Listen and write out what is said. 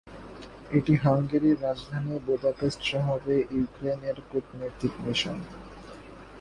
এটি হাঙ্গেরির রাজধানী বুদাপেস্ট শহরে ইউক্রেনের কূটনৈতিক মিশন।